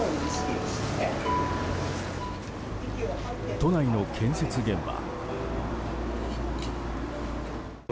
都内の建設現場。